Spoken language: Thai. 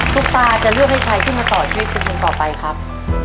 ตุ๊กตาจะเลือกให้ใครขึ้นมาต่อชีวิตเป็นคนต่อไปครับ